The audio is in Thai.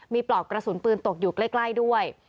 มีปลอกกระสุนปืนตกอยู่ใกล้ด้วย